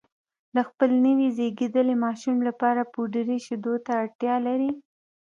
د خپل نوي زېږېدلي ماشوم لپاره پوډري شیدو ته اړتیا لري